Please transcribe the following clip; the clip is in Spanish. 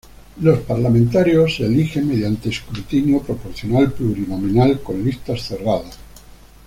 Los parlamentarios se eligen mediante escrutinio proporcional plurinominal con listas cerradas.